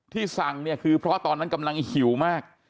สั่งเนี่ยคือเพราะตอนนั้นกำลังหิวมาก